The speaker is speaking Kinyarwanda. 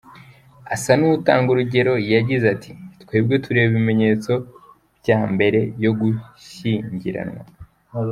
Asa n’utanga urugero yagize ati “Twebwe tureba ibimenyetso bya mbere yo gushyingiranwa.